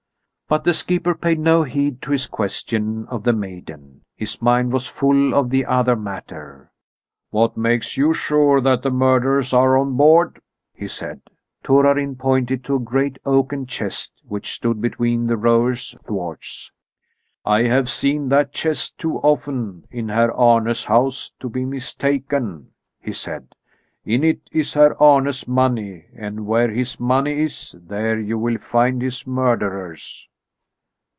But the skipper paid no heed to his question of the maiden; his mind was full of the other matter. "What makes you sure that the murderers are on board?" he said. Torarin pointed to a great oaken chest which stood between the rowers' thwarts. "I have seen that chest too often in Herr Arne's house to be mistaken," he said. "In it is Herr Arne's money, and where his money is, there you will find his murderers."